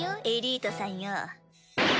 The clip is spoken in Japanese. エリートさんよ。